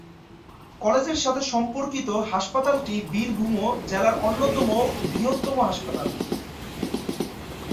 কলেজের সাথে সম্পর্কিত হাসপাতালটি বীরভূম জেলার অন্যতম বৃহত্তম হাসপাতাল।